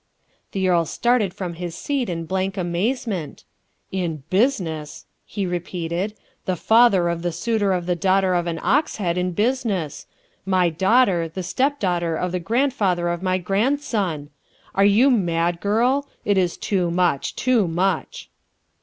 The earl started from his seat in blank amazement. "In business!" he repeated, "the father of the suitor of the daughter of an Oxhead in business! My daughter the step daughter of the grandfather of my grandson! Are you mad, girl? It is too much, too much!"